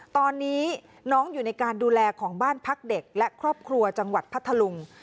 ตอนนี้น้องอยู่ในการดูแลของบ้านพักเด็กและครอบครัวจังหวัดพัทธลุง